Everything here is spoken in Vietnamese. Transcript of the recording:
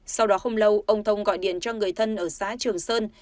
sau đó không lâu ông thông gọi điện cho người thân ở xã trường sơn